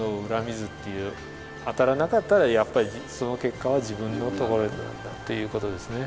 当たらなかったらやっぱりその結果は自分のところへっていう事ですね。